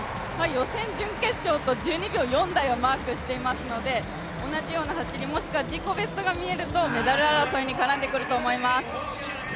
予選、準決勝と１２秒４台をマークしているので、同じような走り、もしくは自己ベストが見えるとメダル争いに絡んでくると思います。